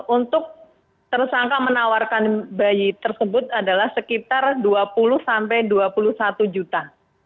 untuk tersangka menawarkan bayi tersebut adalah sekitar dua puluh sampai dua puluh satu juta